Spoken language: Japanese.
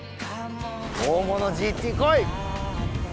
大物ＧＴ来い！